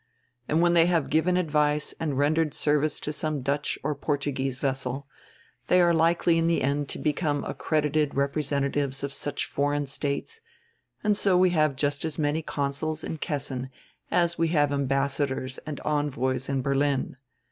And when they have given advice and rendered service to some Dutch or Portuguese vessel, they are likely in the end to become accredited representa tives of such foreign states, and so we have just as many consuls in Kessin as we have ambassadors and envoys in Berlin.